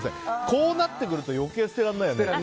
こうなってくると余計捨てられないよね。